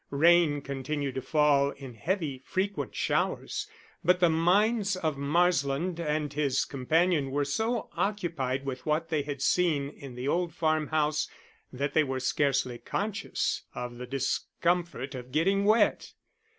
Rain continued to fall in heavy frequent showers, but the minds of Marsland and his companion were so occupied with what they had seen in the old farm house that they were scarcely conscious of the discomfort of getting wet.